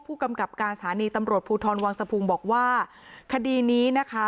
ผู้กำกับการสถานีตำรวจภูทรวังสะพุงบอกว่าคดีนี้นะคะ